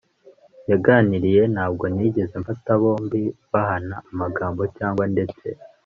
yaganiriye. ntabwo nigeze mfata bombi bahana amagambo cyangwa ndetse